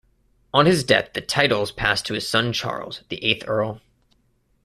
On his death the titles passed to his son Charles, the eighth Earl.